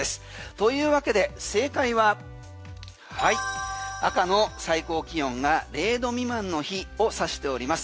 というわけで正解は赤の最高気温が０度未満の日を指しております。